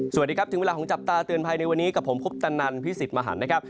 สวัสดีครับถึงเวลาของจับตาเตือนภัยในวันนี้กับผมคุปตนันพี่สิทธิ์มหันนะครับ